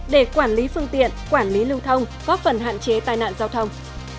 để quản lý phương tiện quản lý lưu thông góp phần hạn chế tai nạn giao thông